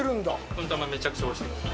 くんたま、めちゃくちゃおいしいです。